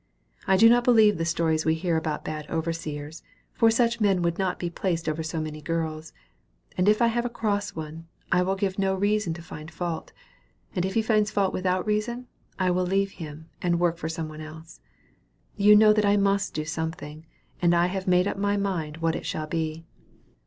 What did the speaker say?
I do not believe the stories we hear about bad overseers, for such men would not be placed over so many girls; and if I have a cross one, I will give no reason to find fault; and if he finds fault without reason, I will leave him, and work for some one else. You know that I must do something, and I have made up my mind what it shall be."